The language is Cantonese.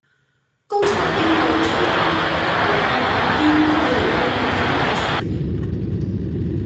剛才經過屯門龍耀街見到你老公等的士